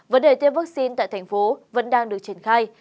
vấn đề tiêm vaccine tại tp hcm vẫn đang được triển khai